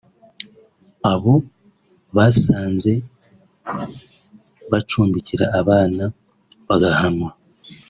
abo basanze bacumbikira abana bagahanwa